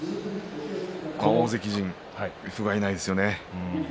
大関陣がふがいないですよね。